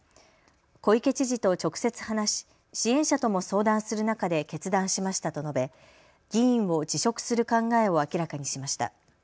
小池知事と直接話し支援者とも相談する中で決断しましたと述べ議員を辞職する考えを明らかにしました。